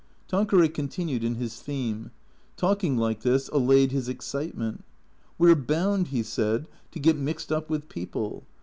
Tanqueray continued in his theme. Talking like this allayed his excitement. " We 're bound," he said, " to get mixed up with people.